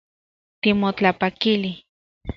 Timotlapakili